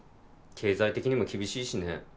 経済的にも厳しいしね。